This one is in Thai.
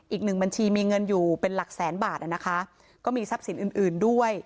อีกหนึ่งบัญชีมีเงินอยู่เป็นหลักแสนบาทอ่ะนะคะก็มีทรัพย์สินอื่นอื่นด้วย